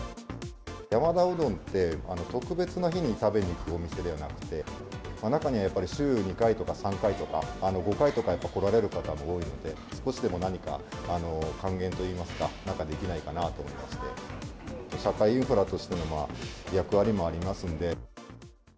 山田うどんって、特別な日に食べに行くお店ではなくて、中にはやっぱり週２回とか３回とか、５回とか来られる方とかも多いので、少しでも何か、還元といいますか、なんかできないかなと思いまして、社会インフラとしての役割もありますので。